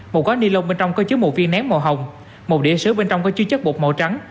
một gói ni lông bên trong có chứa một viên nén màu hồng một điện sứ bên trong có chứa chất bột màu trắng